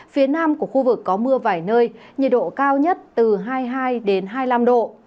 phía nam của khu vực có mưa vài nơi nhiệt độ cao nhất từ hai mươi hai hai mươi năm độ